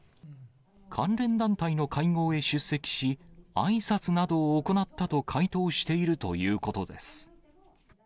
関連団体の会合へ出席し、あいさつなどを行ったと回答しているということです。